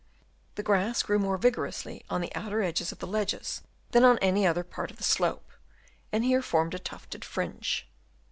The grass grew more vigorously on the outer edges of the ledges than on any other part of the slope, and here formed a tufted fringe.